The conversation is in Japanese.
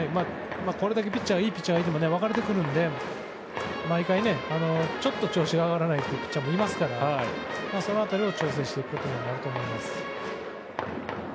これだけいいピッチャーがいても分かれてくるので、毎回ちょっと調子が上がらないピッチャーもいますからその辺りを調整していくことになると思います。